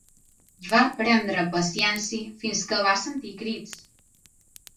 Va prendre paciència fins que va sentir crits.